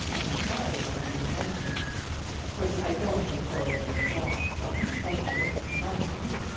and entirely my own invention, of course I don't make Aureola walk from Edinburgh to London.